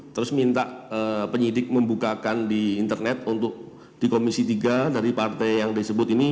terus minta penyidik membukakan di internet untuk di komisi tiga dari partai yang disebut ini